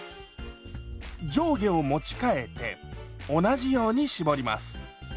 上下を持ち替えて同じように絞ります。